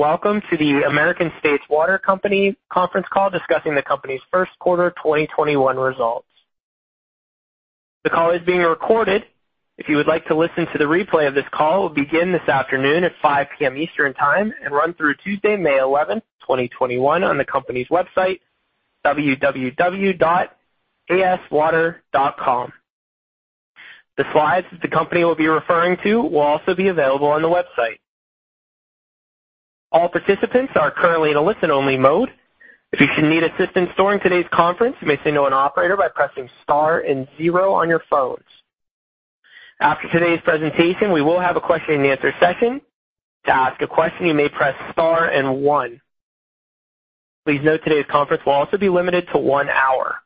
Welcome to the American States Water Company conference call discussing the company's first quarter 2021 results. The call is being recorded. If you would like to listen to the replay of this call, it will begin this afternoon at 5:00 P.M. Eastern Time and run through Tuesday, May 11, 2021, on the company's website, www.aswater.com. The slides that the company will be referring to will also be available on the website. All participants are currently in a listen-only mode. If you should need assistance during today's conference, you may signal an operator by pressing star and zero on your phones. After today's presentation, we will have a question-and-answer session. To ask a question, you may press star and one. Please note today's conference will also be limited to one hour.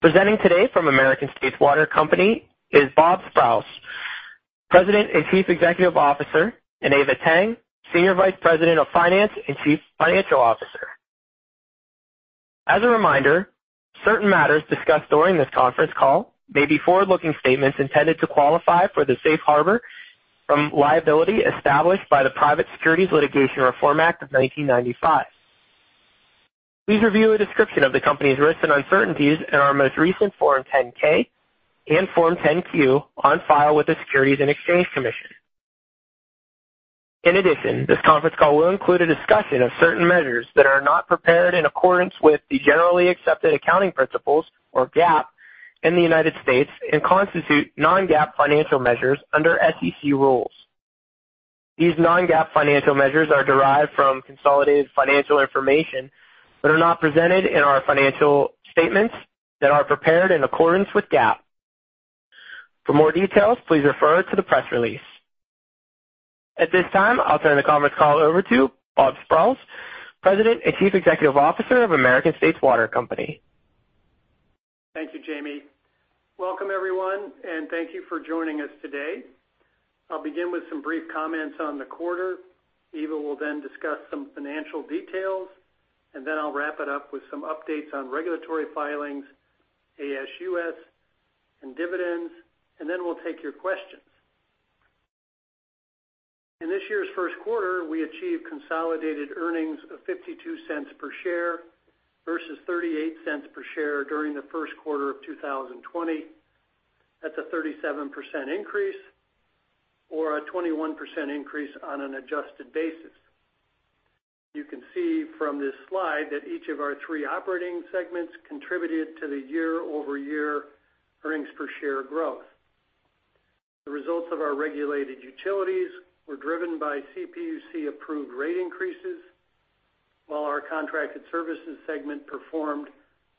Presenting today from American States Water Company is Bob Sprowls, President and Chief Executive Officer, and Eva Tang, Senior Vice President of Finance and Chief Financial Officer. As a reminder, certain matters discussed during this conference call may be forward-looking statements intended to qualify for the safe harbor from liability established by the Private Securities Litigation Reform Act of 1995. Please review a description of the company's risks and uncertainties in our most recent Form 10-K and Form 10-Q on file with the Securities and Exchange Commission. In addition, this conference call will include a discussion of certain measures that are not prepared in accordance with the generally accepted accounting principles, or GAAP, in the United States and constitute non-GAAP financial measures under SEC rules. These non-GAAP financial measures are derived from consolidated financial information but are not presented in our financial statements that are prepared in accordance with GAAP. For more details, please refer to the press release. At this time, I'll turn the conference call over to Bob Sprowls, President and Chief Executive Officer of American States Water Company. Thank you, Jamie. Welcome everyone, and thank you for joining us today. I'll begin with some brief comments on the quarter. Eva will then discuss some financial details, and then I'll wrap it up with some updates on regulatory filings, ASUS, and dividends, and then we'll take your questions. In this year's first quarter, we achieved consolidated earnings of $0.52 per share versus $0.38 per share during the first quarter of 2020. That's a 37% increase or a 21% increase on an adjusted basis. You can see from this slide that each of our three operating segments contributed to the year-over-year earnings per share growth. The results of our regulated utilities were driven by CPUC-approved rate increases, while our contracted services segment performed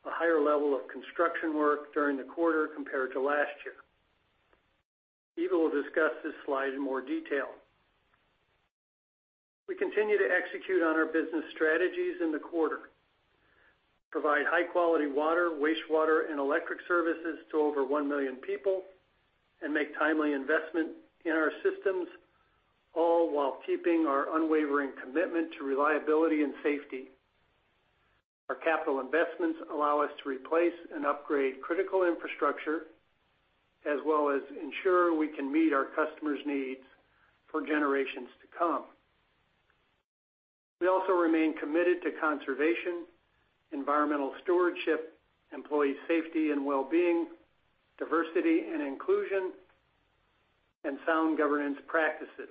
a higher level of construction work during the quarter compared to last year. Eva will discuss this slide in more detail. We continue to execute on our business strategies in the quarter, provide high-quality water, wastewater, and electric services to over 1 million people, and make timely investment in our systems, all while keeping our unwavering commitment to reliability and safety. Our capital investments allow us to replace and upgrade critical infrastructure as well as ensure we can meet our customers' needs for generations to come. We also remain committed to conservation, environmental stewardship, employee safety and wellbeing, diversity and inclusion, and sound governance practices.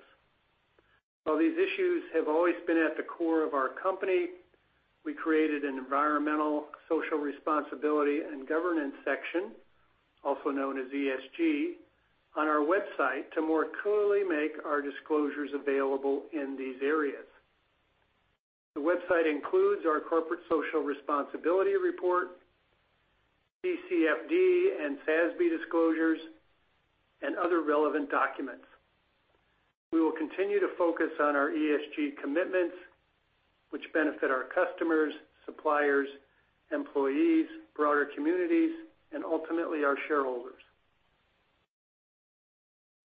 While these issues have always been at the core of our company, we created an environmental, social responsibility, and governance section, also known as ESG, on our website to more clearly make our disclosures available in these areas. The website includes our corporate social responsibility report, TCFD and SASB disclosures, and other relevant documents. We will continue to focus on our ESG commitments, which benefit our customers, suppliers, employees, broader communities, and ultimately our shareholders.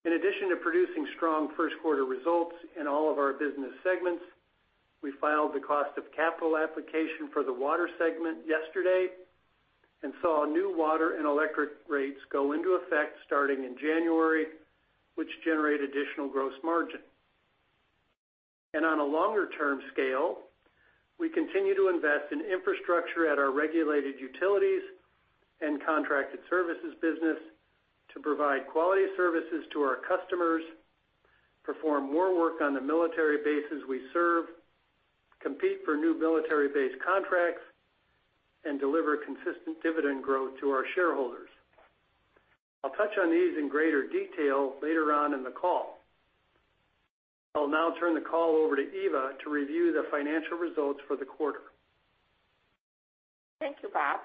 In addition to producing strong first-quarter results in all of our business segments, we filed the cost of capital application for the water segment yesterday and saw new water and electric rates go into effect starting in January, which generate additional gross margin. On a longer-term scale, we continue to invest in infrastructure at our regulated utilities and contracted services business to provide quality services to our customers, perform more work on the military bases we serve, compete for new military base contracts, and deliver consistent dividend growth to our shareholders. I'll touch on these in greater detail later on in the call. I'll now turn the call over to Eva to review the financial results for the quarter. Thank you, Bob.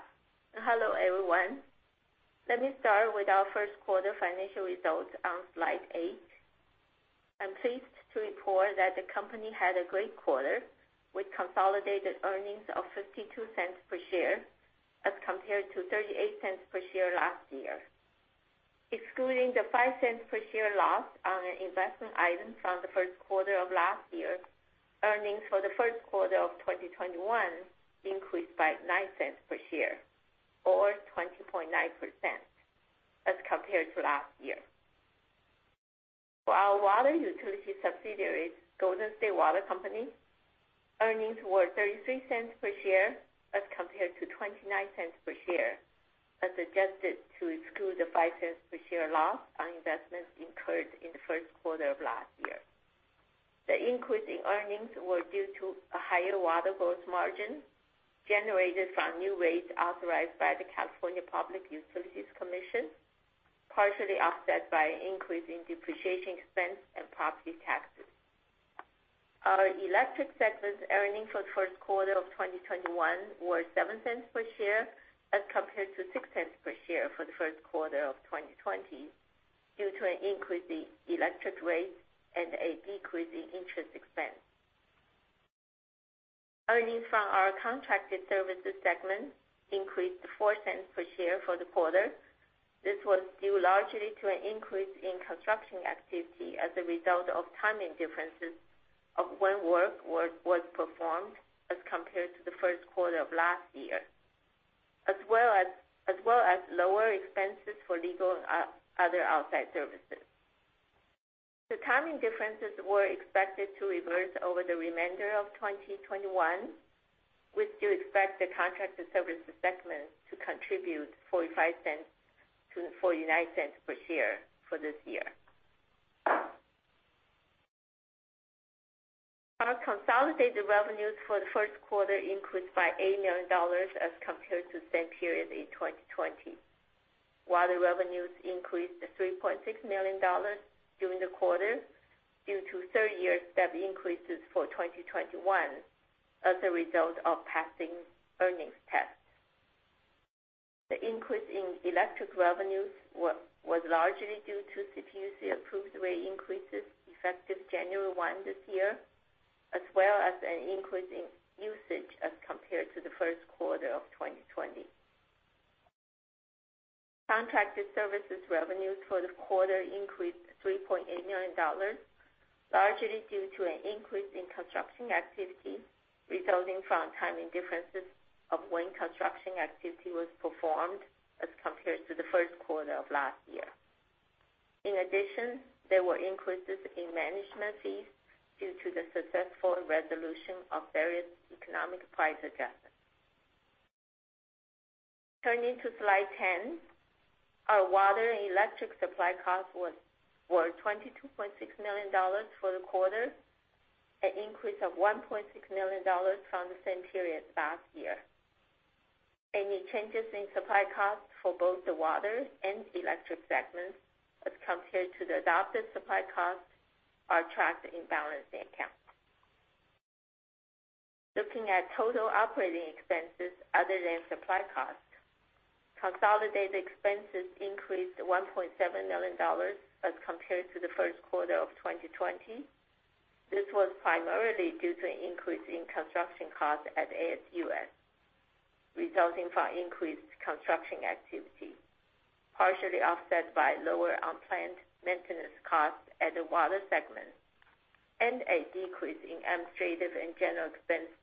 Hello, everyone. Let me start with our first quarter financial results on slide eight. I'm pleased to report that the company had a great quarter with consolidated earnings of $0.52 per share as compared to $0.38 per share last year. Excluding the $0.05 per share loss on an investment item from the first quarter of last year, earnings for the first quarter of 2021 increased by $0.09 per share or 20.9%. As compared to last year. For our water utility subsidiaries, Golden State Water Company earnings were $0.33 per share, as compared to $0.29 per share, as adjusted to exclude the $0.05 per share loss on investments incurred in the first quarter of last year. The increase in earnings were due to a higher water gross margin generated from new rates authorized by the California Public Utilities Commission, partially offset by an increase in depreciation expense and property taxes. Our electric segment earnings for the first quarter of 2021 were $0.07 per share as compared to $0.06 per share for the first quarter of 2020, due to an increase in electric rates and a decrease in interest expense. Earnings from our contracted services segment increased $0.04 per share for the quarter. This was due largely to an increase in construction activity as a result of timing differences of when work was performed as compared to the first quarter of last year, as well as lower expenses for legal and other outside services. The timing differences were expected to reverse over the remainder of 2021. We still expect the contracted services segment to contribute $0.45-$0.49 per share for this year. Our consolidated revenues for the first quarter increased by $8 million as compared to the same period in 2020. The revenues increased to $3.6 million during the quarter due to third-year step increases for 2021 as a result of passing earnings tests. The increase in electric revenues was largely due to CPUC-approved rate increases effective January 1 this year, as well as an increase in usage as compared to the first quarter of 2020. Contracted services revenues for the quarter increased to $3.8 million, largely due to an increase in construction activity resulting from timing differences of when construction activity was performed as compared to the first quarter of last year. In addition, there were increases in management fees due to the successful resolution of various economic price adjustments. Turning to slide 10, our water and electric supply costs were $22.6 million for the quarter, an increase of $1.6 million from the same period last year. Any changes in supply costs for both the water and electric segments, as compared to the adopted supply costs, are tracked in balancing accounts. Looking at total operating expenses other than supply costs, consolidated expenses increased to $1.7 million as compared to the first quarter of 2020. This was primarily due to an increase in construction costs at ASUS, resulting from increased construction activity, partially offset by lower unplanned maintenance costs at the water segment and a decrease in administrative and general expense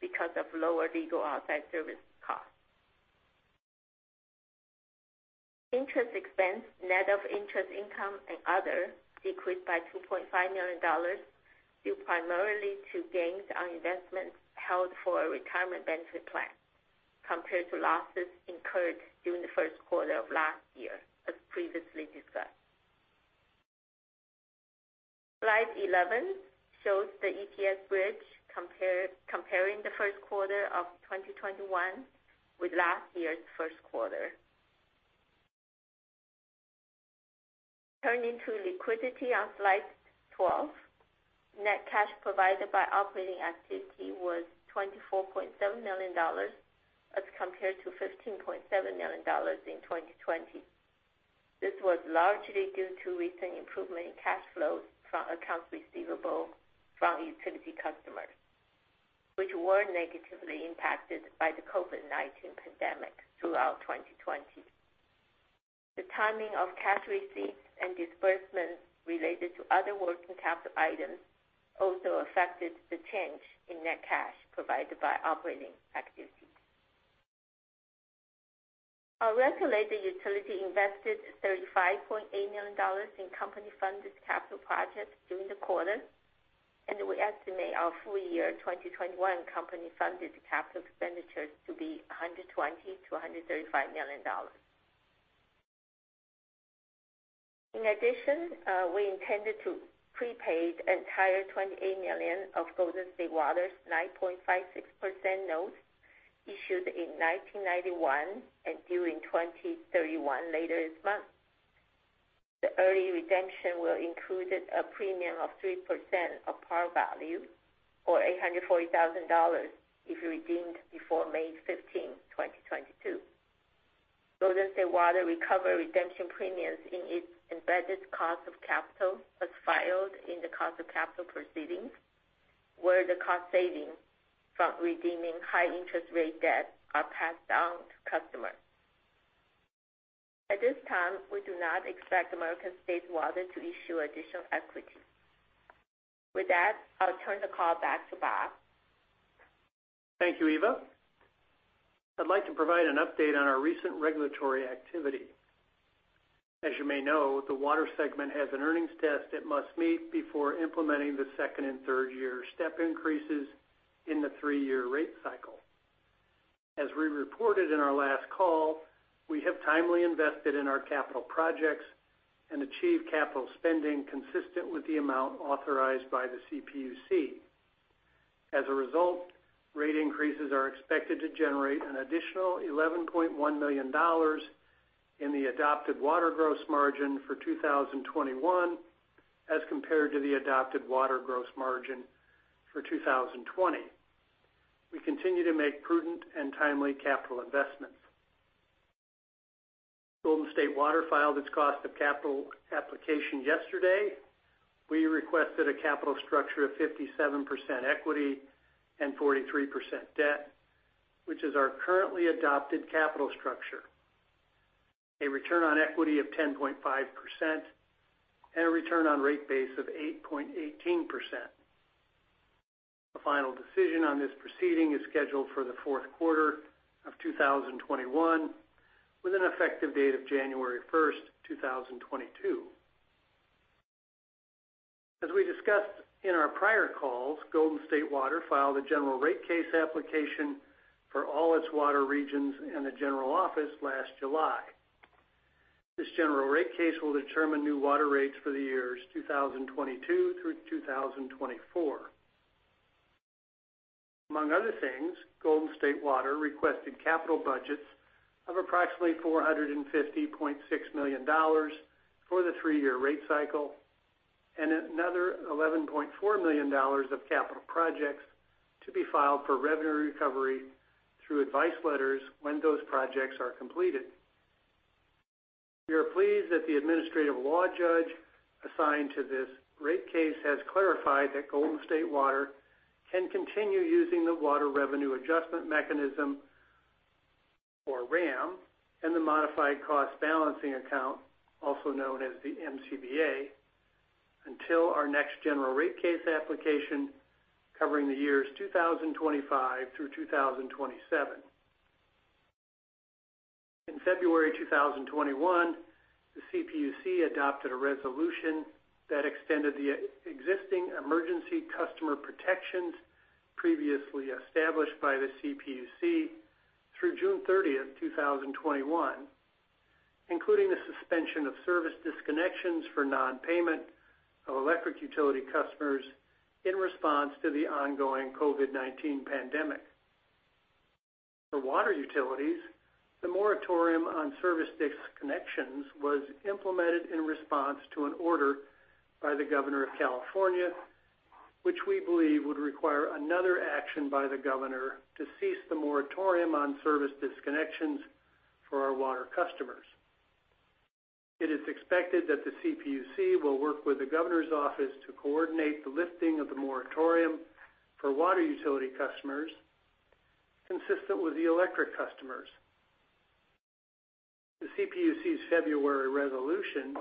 because of lower legal outside service costs. Interest expense, net of interest income and other, decreased by $2.5 million, due primarily to gains on investments held for a retirement benefit plan compared to losses incurred during the first quarter of last year, as previously discussed. Slide 11 shows the EPS bridge comparing the first quarter of 2021 with last year's first quarter. Turning to liquidity on slide 12, net cash provided by operating activity was $24.7 million as compared to $15.7 million in 2020. This was largely due to recent improvement in cash flows from accounts receivable from utility customers, which were negatively impacted by the COVID-19 pandemic throughout 2020. The timing of cash receipts and disbursements related to other working capital items also affected the change in net cash provided by operating activities. Our regulated utility invested $35.8 million in company-funded capital projects during the quarter, and we estimate our full year 2021 company-funded capital expenditures to be $120 million-$135 million. In addition, we intended to prepay the entire $28 million of Golden State Water's 9.56% notes issued in 1991 and due in 2031 later this month. The early redemption will include a premium of 3% of par value, or $840,000 if redeemed before May 15, 2022. Golden State Water will recover redemption premiums in its embedded cost of capital as filed in the cost of capital proceedings, where the cost savings from redeeming high-interest-rate debt are passed on to customers. At this time, we do not expect American States Water to issue additional equity. With that, I'll turn the call back to Bob. Thank you, Eva. I'd like to provide an update on our recent regulatory activity. As you may know, the water segment has an earnings test it must meet before implementing the second and third year step increases in the three-year rate cycle. As we reported in our last call, we have timely invested in our capital projects and achieved capital spending consistent with the amount authorized by the CPUC. As a result, rate increases are expected to generate an additional $11.1 million in the adopted water gross margin for 2021 as compared to the adopted water gross margin for 2020. We continue to make prudent and timely capital investments. Golden State Water filed its cost of capital application yesterday. We requested a capital structure of 57% equity and 43% debt, which is our currently adopted capital structure, a return on equity of 10.5% and a return on rate base of 8.18%. A final decision on this proceeding is scheduled for the fourth quarter of 2021, with an effective date of January 1st, 2022. As we discussed in our prior calls, Golden State Water filed a General Rate Case application for all its water regions and the general office last July. This General Rate Case will determine new water rates for the years 2022 through 2024. Among other things, Golden State Water requested capital budgets of approximately $450.6 million for the three-year rate cycle and another $11.4 million of capital projects to be filed for revenue recovery through advice letters when those projects are completed. We are pleased that the administrative law judge assigned to this rate case has clarified that Golden State Water can continue using the Water Revenue Adjustment Mechanism, or WRAM, and the Modified Cost Balancing Account, also known as the MCBA, until our next General Rate Case application covering the years 2025 through 2027. In February 2021, the CPUC adopted a resolution that extended the existing emergency customer protections previously established by the CPUC through June 30th, 2021, including the suspension of service disconnections for non-payment of electric utility customers in response to the ongoing COVID-19 pandemic. For water utilities, the moratorium on service disconnections was implemented in response to an order by the Governor of California, which we believe would require another action by the Governor to cease the moratorium on service disconnections for our water customers. It is expected that the CPUC will work with the Governor's office to coordinate the lifting of the moratorium for water utility customers, consistent with the electric customers. The CPUC's February resolution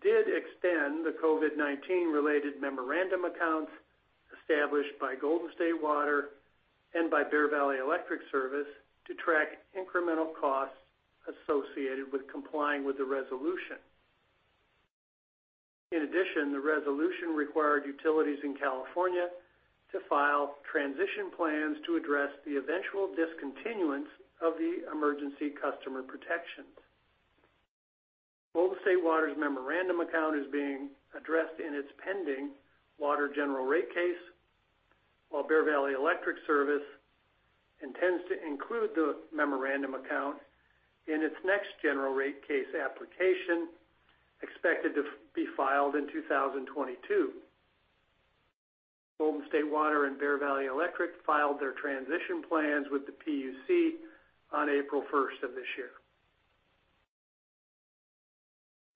did extend the COVID-19-related memorandum accounts established by Golden State Water and by Bear Valley Electric Service to track incremental costs associated with complying with the resolution. The resolution required utilities in California to file transition plans to address the eventual discontinuance of the emergency customer protections. Golden State Water's memorandum account is being addressed in its pending water General Rate Case, while Bear Valley Electric Service intends to include the memorandum account in its next General Rate Case application, expected to be filed in 2022. Golden State Water and Bear Valley Electric filed their transition plans with the PUC on April 1st of this year.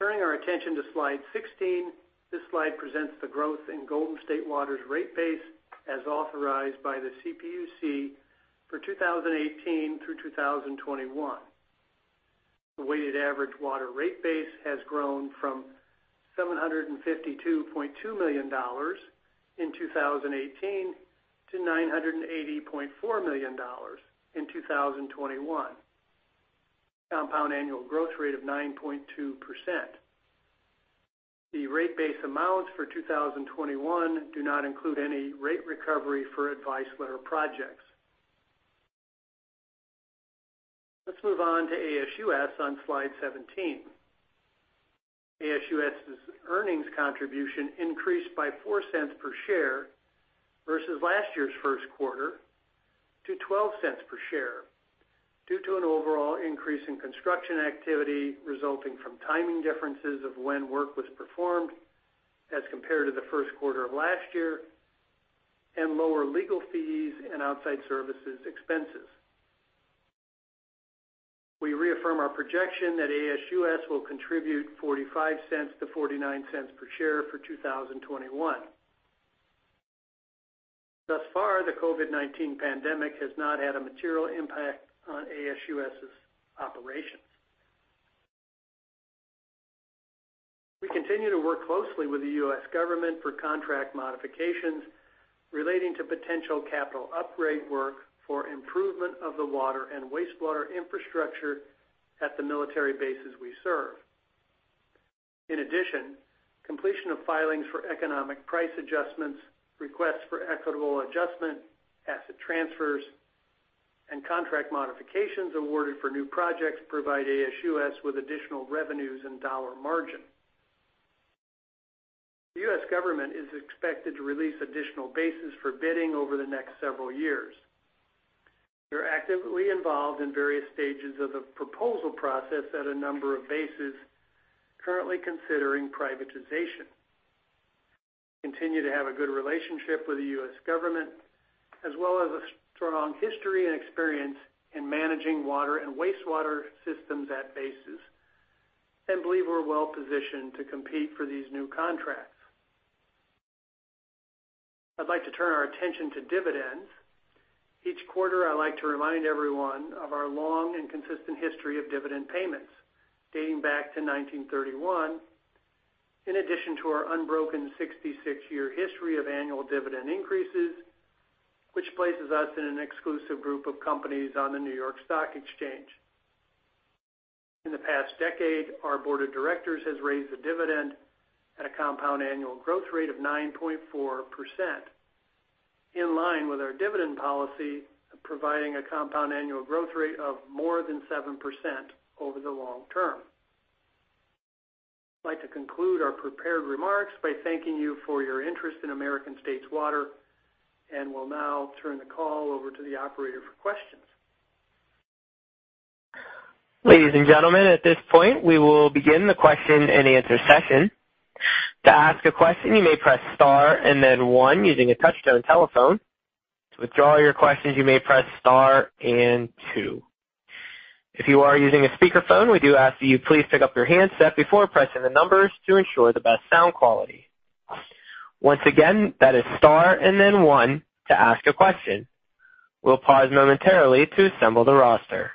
Turning our attention to slide 16, this slide presents the growth in Golden State Water's rate base as authorized by the CPUC for 2018 through 2021. The weighted average water rate base has grown from $752.2 million in 2018 to $980.4 million in 2021, compound annual growth rate of 9.2%. The rate base amounts for 2021 do not include any rate recovery for advice letter projects. Let's move on to ASUS on slide 17. ASUS's earnings contribution increased by $0.04 per share versus last year's first quarter to $0.12 per share due to an overall increase in construction activity resulting from timing differences of when work was performed as compared to the first quarter of last year, and lower legal fees and outside services expenses. We reaffirm our projection that ASUS will contribute $0.45-$0.49 per share for 2021. Thus far, the COVID-19 pandemic has not had a material impact on ASUS's operations. We continue to work closely with the U.S. government for contract modifications relating to potential capital upgrade work for improvement of the water and wastewater infrastructure at the military bases we serve. In addition, completion of filings for economic price adjustments, requests for equitable adjustment, asset transfers, and contract modifications awarded for new projects provide ASUS with additional revenues and dollar margin. The U.S. government is expected to release additional bases for bidding over the next several years. We're actively involved in various stages of the proposal process at a number of bases currently considering privatization. Continue to have a good relationship with the U.S. government, as well as a strong history and experience in managing water and wastewater systems at bases, and believe we're well-positioned to compete for these new contracts. I'd like to turn our attention to dividends. Each quarter, I like to remind everyone of our long and consistent history of dividend payments dating back to 1931, in addition to our unbroken 66-year history of annual dividend increases, which places us in an exclusive group of companies on the New York Stock Exchange. In the past decade, our board of directors has raised the dividend at a compound annual growth rate of 9.4%, in line with our dividend policy, providing a compound annual growth rate of more than 7% over the long term. I'd like to conclude our prepared remarks by thanking you for your interest in American States Water, and will now turn the call over to the operator for questions. Ladies and gentlemen, at this point, we will begin the question and answer session. To ask a question, you may press star and then one using a touch-tone telephone. To withdraw your questions, you may press star and two. If you are using a speakerphone, we do ask that you please pick up your handset before pressing the numbers to ensure the best sound quality. Once again, that is star and then one to ask a question. We'll pause momentarily to assemble the roster.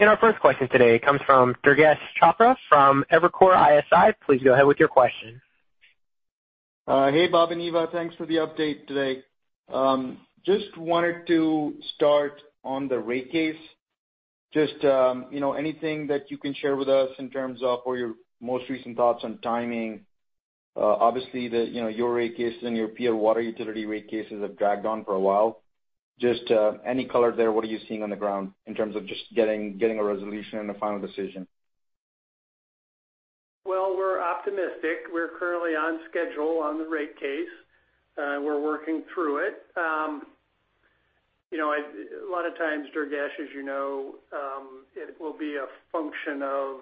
Our first question today comes from Durgesh Chopra from Evercore ISI. Please go ahead with your question. Hey, Bob and Eva. Thanks for the update today. Just wanted to start on the rate case. Just anything that you can share with us in terms of what your most recent thoughts on timing. Obviously, your rate case and your peer water utility rate cases have dragged on for a while. Just any color there, what are you seeing on the ground in terms of just getting a resolution and a final decision? Well, we're optimistic. We're currently on schedule on the rate case. We're working through it. A lot of times, Durgesh, as you know, it will be a function of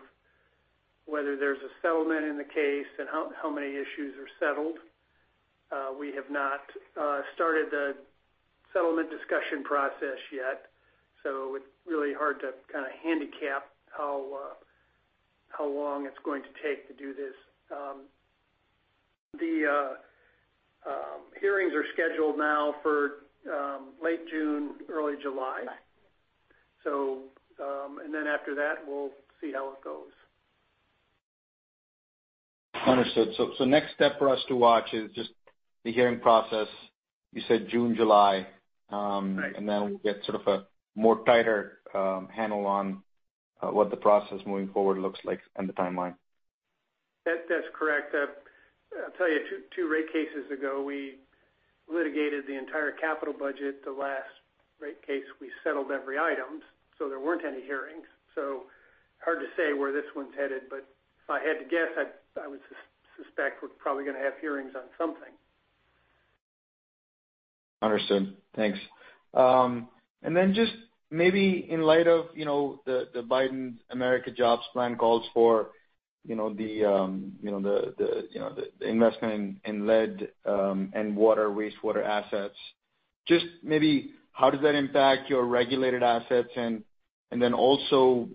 whether there's a settlement in the case and how many issues are settled. We have not started the settlement discussion process yet, so it's really hard to kind of handicap how long it's going to take to do this. The hearings are scheduled now for late June, early July. After that, we'll see how it goes. Understood. Next step for us to watch is just the hearing process. You said June, July. Right. Then we'll get sort of a more tighter handle on what the process moving forward looks like and the timeline. That's correct. I'll tell you, two rate cases ago, we litigated the entire capital budget. The last rate case, we settled every item, so there weren't any hearings. Hard to say where this one's headed, but if I had to guess, I would suspect we're probably going to have hearings on something. Understood. Thanks. Just maybe in light of the Biden's American Jobs Plan calls for the investment in lead and wastewater assets. Just maybe, how does that impact your regulated assets? Also,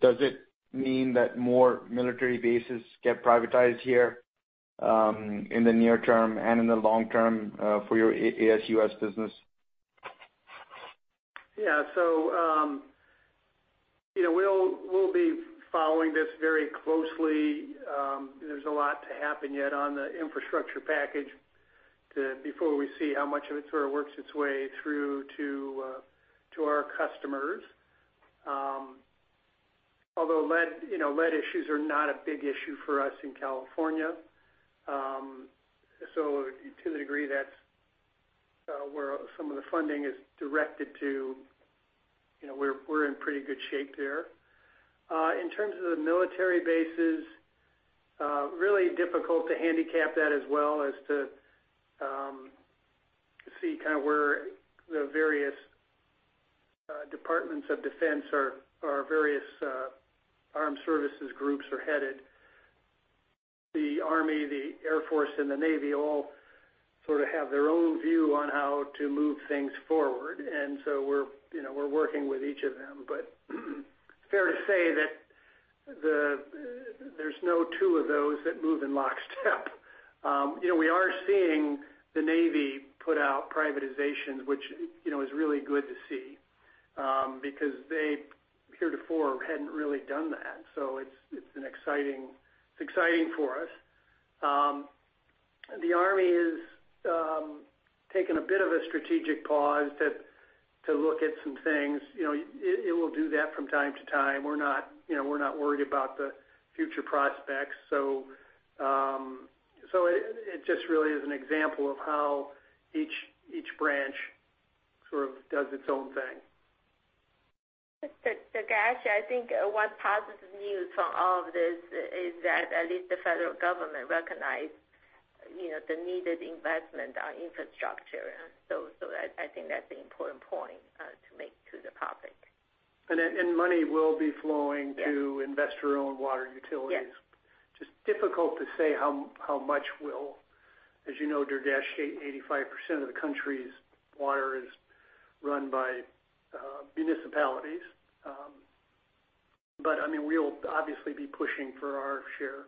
does it mean that more military bases get privatized here in the near term and in the long term for your ASUS business? Yeah. We'll be following this very closely. There's a lot to happen yet on the infrastructure package before we see how much of it sort of works its way through to our customers. Lead issues are not a big issue for us in California. To the degree that's where some of the funding is directed to, we're in pretty good shape there. In terms of the military bases, really difficult to handicap that as well as to see kind of where the various departments of defense or various armed services groups are headed. The Army, the Air Force, and the Navy all sort of have their own view on how to move things forward, and so we're working with each of them. Fair to say that there's no two of those that move in lockstep. We are seeing the Navy put out privatizations, which is really good to see because they, heretofore, hadn't really done that. It's exciting for us. The Army has taken a bit of a strategic pause to look at some things. It will do that from time to time. We're not worried about the future prospects. It just really is an example of how each branch sort of does its own thing. Durgesh, I think one positive news from all of this is that at least the federal government recognized the needed investment on infrastructure. I think that's an important point to make to the topic. Money will be flowing to investor-owned water utilities. Yes. Just difficult to say how much will. As you know, Durgesh, 85% of the country's water is run by municipalities. We will obviously be pushing for our share.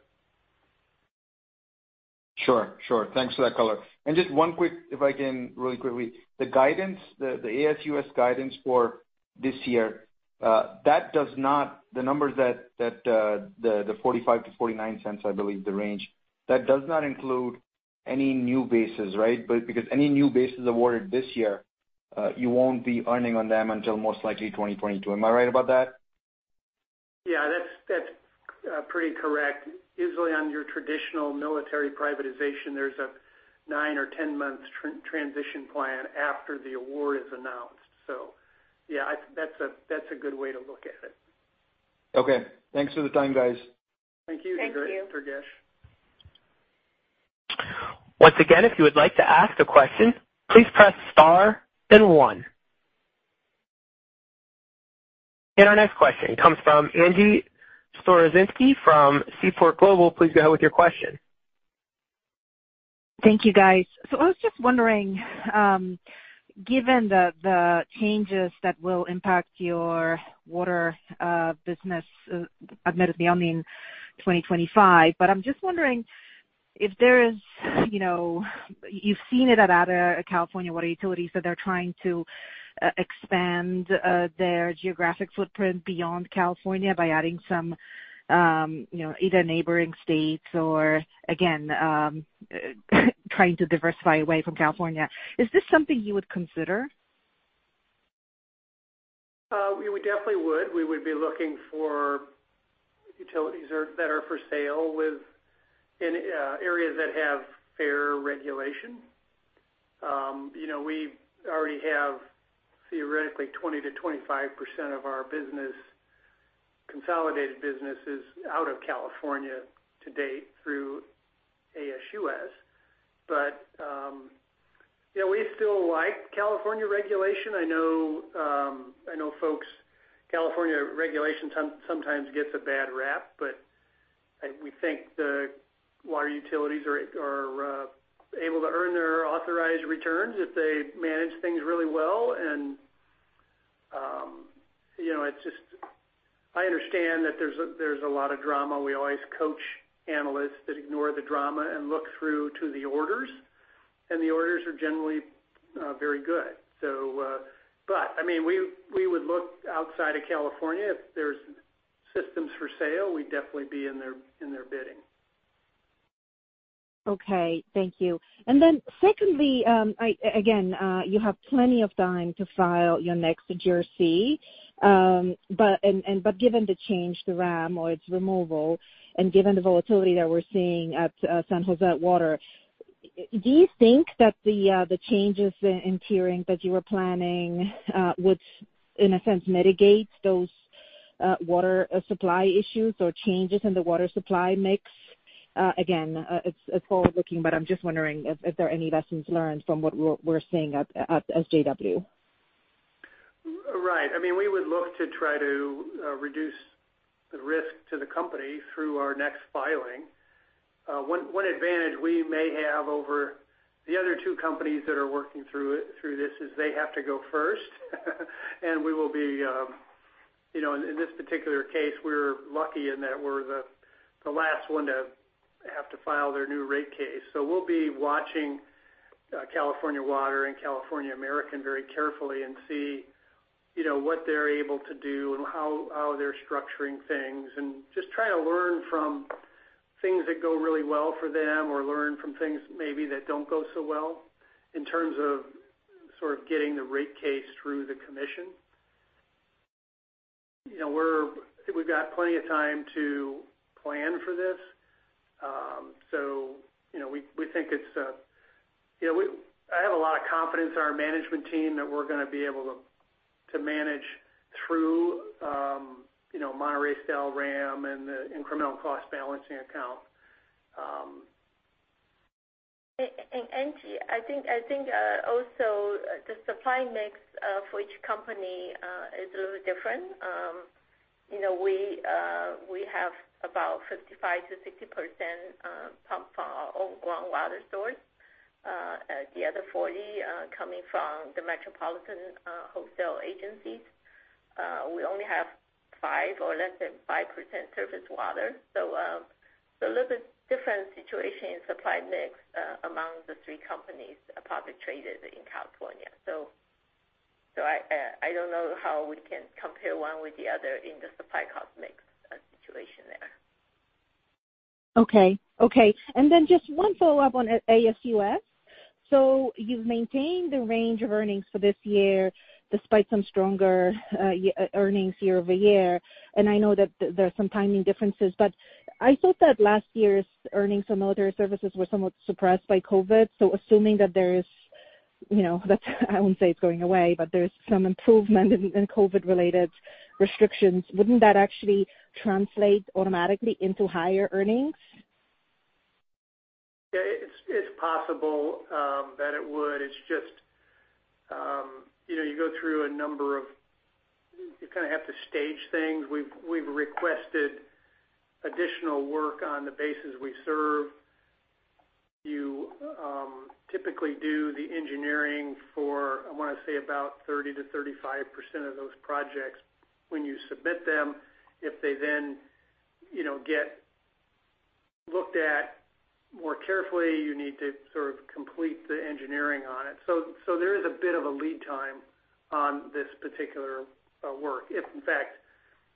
Sure. Thanks for that color. Just one quick, if I can, really quickly. The guidance, the ASUS guidance for this year, the numbers, the $0.45-$0.49, I believe the range, that does not include any new bases, right? Because any new bases awarded this year, you won't be earning on them until most likely 2022. Am I right about that? Yeah, that's pretty correct. Usually on your traditional military privatization, there's a nine or 10 months transition plan after the award is announced. Yeah, that's a good way to look at it. Okay. Thanks for the time, guys. Thank you, Durgesh. Thank you. Once again, if you would like to ask a question, please press star then one. Our next question comes from Angie Storozynski from Seaport Global. Please go ahead with your question. Thank you, guys. I was just wondering, given the changes that will impact your water business, admittedly only in 2025. I'm just wondering You've seen it at other California water utilities that they're trying to expand their geographic footprint beyond California by adding some, either neighboring states or again, trying to diversify away from California. Is this something you would consider? We definitely would. We would be looking for utilities that are for sale within areas that have fair regulation. We already have theoretically 20%-25% of our consolidated businesses out of California to date through ASUS. We still like California regulation. I know folks, California regulation sometimes gets a bad rap, but we think the water utilities are able to earn their authorized returns if they manage things really well. I understand that there's a lot of drama. We always coach analysts that ignore the drama and look through to the orders, and the orders are generally very good. We would look outside of California if there's systems for sale. We'd definitely be in their bidding. Okay. Thank you. Then secondly, again, you have plenty of time to file your next GRC. Given the change to WRAM or its removal, and given the volatility that we're seeing at San Jose Water, do you think that the changes in tiering that you were planning would, in a sense, mitigate those water supply issues or changes in the water supply mix? Again, it's forward-looking, but I'm just wondering if there are any lessons learned from what we're seeing at SJW. Right. We would look to try to reduce the risk to the company through our next filing. One advantage we may have over the other two companies that are working through this is they have to go first. In this particular case, we're lucky in that we're the last one to have to file their new rate case. We'll be watching California Water and California American very carefully and see what they're able to do and how they're structuring things, and just try to learn from things that go really well for them or learn from things maybe that don't go so well in terms of sort of getting the rate case through the commission. We've got plenty of time to plan for this. I have a lot of confidence in our management team that we're going to be able to manage through Monterey-Style WRAM and the Incremental Cost Balancing Account. Angie, I think also the supply mix for each company is a little different. We have about 55%-60% pump from our own groundwater source. The other 40% coming from the metropolitan wholesale agencies. We only have 5% or less than 5% surface water. A little bit different situation in supply mix among the three companies publicly traded in California. I don't know how we can compare one with the other in the supply cost mix situation there. Okay. Just one follow-up on ASUS. You've maintained the range of earnings for this year despite some stronger earnings year-over-year. I know that there are some timing differences, but I thought that last year's earnings from other services were somewhat suppressed by COVID. Assuming that there is, I won't say it's going away, but there's some improvement in COVID-related restrictions, wouldn't that actually translate automatically into higher earnings? Yeah, it's possible that it would. It's just, you kind of have to stage things. We've requested additional work on the basis we serve. You typically do the engineering for, I want to say about 30%-35% of those projects when you submit them. If they then get looked at more carefully, you need to sort of complete the engineering on it. There is a bit of a lead time on this particular work. If in fact,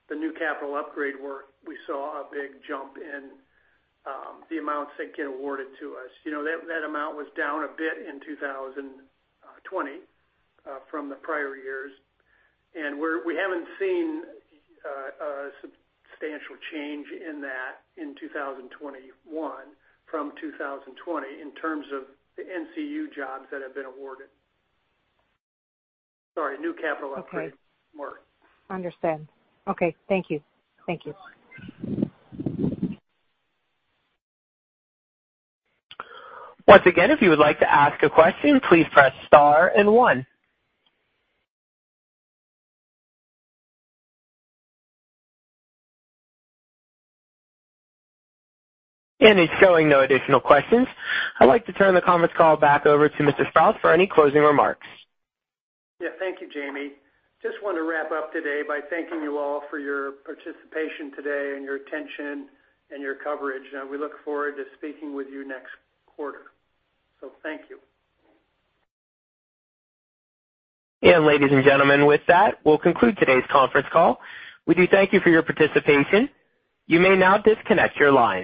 the new capital upgrade work, we saw a big jump in the amounts that get awarded to us. That amount was down a bit in 2020 from the prior years. We haven't seen a substantial change in that in 2021 from 2020 in terms of the NCU jobs that have been awarded. Sorry, new capital upgrade work. Understand. Okay. Thank you. No problem. It's showing no additional questions. I'd like to turn the conference call back over to Mr. Sprowls for any closing remarks. Thank you, Jamie. Just want to wrap up today by thanking you all for your participation today and your attention and your coverage. We look forward to speaking with you next quarter. Thank you. Ladies and gentlemen, with that, we'll conclude today's conference call. We do thank you for your participation. You may now disconnect your line.